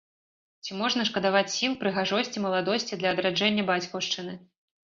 Ці можна шкадаваць сіл, прыгажосці, маладосці для адраджэння бацькаўшчыны?